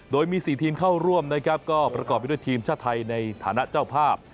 โดยมี๔ทีมเข้าร่วมนะครับก็ประกอบไปด้วยทีมชาติไทยในฐานะเจ้าภาพ